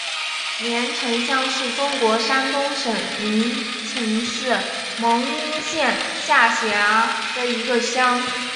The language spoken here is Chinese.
联城乡是中国山东省临沂市蒙阴县下辖的一个乡。